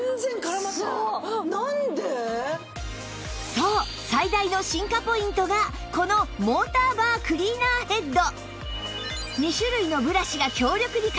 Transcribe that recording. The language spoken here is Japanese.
そう最大の進化ポイントがこのモーターバークリーナーヘッド